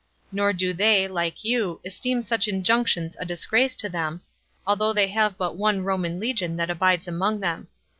Nor do they, like you, esteem such injunctions a disgrace to them, although they have but one Roman legion that abides among them.